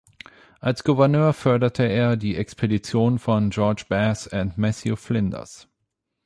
Als Gouverneur förderte er die Expeditionen von George Bass und Matthew Flinders.